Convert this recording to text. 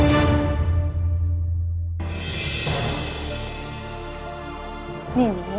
terima kasih juga raden